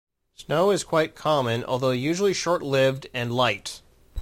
Snow is quite common, although usually short-lived and light.